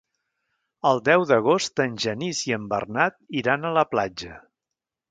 El deu d'agost en Genís i en Bernat iran a la platja.